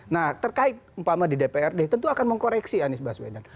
nah terkait umpama di dprd tentu akan mengkoreksi anies baswedan